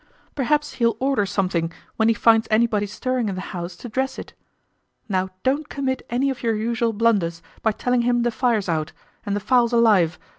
Perhaps he'll order something when he finds anybody stirring in the house to dress it. Now don't commit any of your usual blunders, by telling him the fire's out, and the fowls alive.